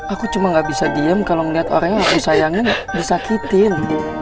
aku cuma gak bisa diem kalau melihat orangnya aku sayangin disakitin